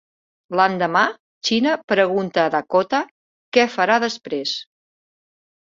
L'endemà, China pregunta a Dakota què farà després.